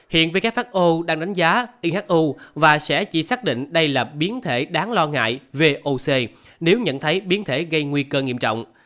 hiện who đang đánh giá ihu và sẽ chỉ xác định đây là biến thể đáng lo ngại về oc nếu nhận thấy biến thể gây nguy cơ nghiêm trọng